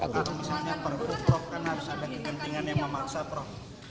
kalau misalnya pergub prof kan harus ada kegentingan yang memaksa prof